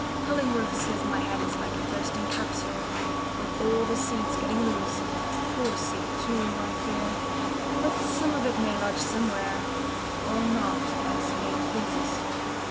Cullingworth says my head is like a bursting capsule, with all the seeds getting loose. Poor seed, too, I fear, but some of it may lodge somewhere or not, as Fate pleases.